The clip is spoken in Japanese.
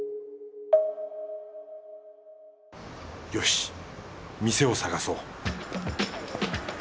よし店を探そう